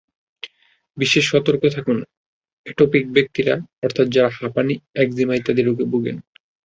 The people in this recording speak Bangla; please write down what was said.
বিশেষ সতর্ক থাকুন অ্যাটোপিক ব্যক্তিরা, অর্থাৎ যাঁরা হাঁপানি, একজিমা ইত্যাদি রোগে ভোগেন।